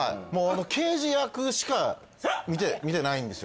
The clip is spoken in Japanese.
刑事役しか見てないんですよ